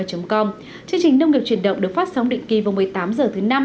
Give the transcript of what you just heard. chương trình nông nghiệp chuyển động được phát sóng định kỳ vào một mươi tám h thứ năm